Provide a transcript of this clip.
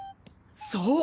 そう。